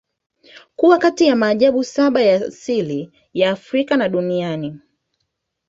Kuwa kati ya maajabu saba ya asili ya Afrika na dunia